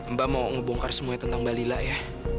mbak mau ngebongkar semuanya tentang mbak lila ya